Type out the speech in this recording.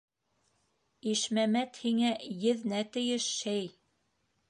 Ишмәмәт һиңә еҙнә тейеш, шәй!